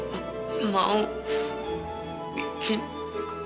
kamu mau bikin aku sedih